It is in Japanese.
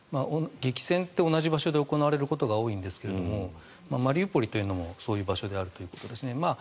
激戦って同じ場所で行われることが多いんですけどマリウポリというのもそういう場所であるということですね。